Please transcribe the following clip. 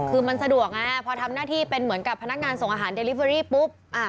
คือมันสะดวกไงพอทำหน้าที่เป็นเหมือนกับพนักงานส่งอาหารเดลิเวอรี่ปุ๊บ